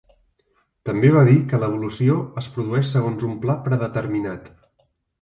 També va dir que l'evolució es produeix segons un pla predeterminat.